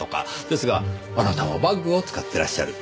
ですがあなたはバッグを使ってらっしゃる。